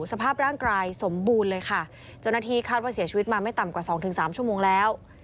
สภาพร่างกายสมบูรณ์เลยค่ะเจ้าหน้าที่คาดว่าเสียชีวิตมาไม่ต่ำกว่าสองถึงสามชั่วโมงแล้ว